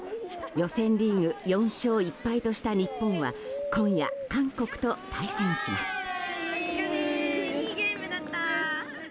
予選リーグ４勝１敗とした日本は今夜、韓国と対戦します。